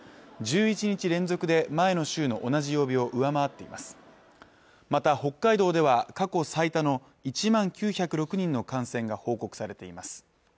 １１日連続で前の週の同じ曜日を上回っていますまた北海道では過去最多の１万９０６人の感染が報告されています